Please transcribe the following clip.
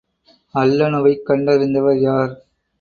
அல்லணுவைக் கண்டறிந்தவர் யார்?